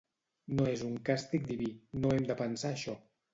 No és un càstig diví, no hem de pensar això.